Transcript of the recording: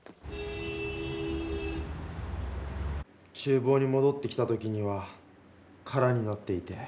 ちゅうぼうにもどってきた時には空になっていて。